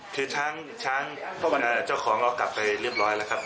คือช้างช้างเจ้าของเรากลับไปเรียบร้อยแล้วครับ